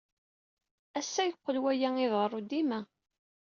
Ass-a, yeqqel waya iḍerru dima.